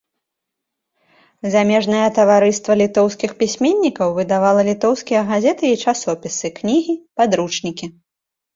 Замежнае таварыства літоўскіх пісьменнікаў выдавала літоўскія газеты і часопісы, кнігі, падручнікі.